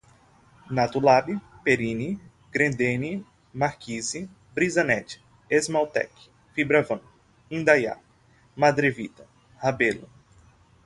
Natulab, Perini, Grendene, Marquise, Brisanet, Esmaltec, Fibravan, Indaiá, Madrevita, Rabelo